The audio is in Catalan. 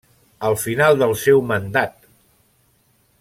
Al final del seu mandat.